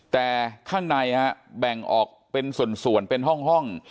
แต่ข้างในแบ่งออกเป็นส่วนเป็นห้อง